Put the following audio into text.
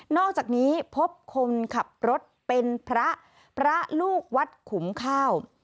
อกจากนี้พบคนขับรถเป็นพระพระลูกวัดขุมข้าว